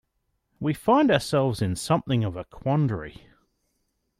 We find ourselves in something of a quandary.